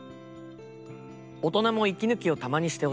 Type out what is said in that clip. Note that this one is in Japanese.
「大人も息抜きをたまにして欲しい。